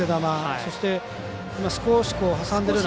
そして、少し挟んで。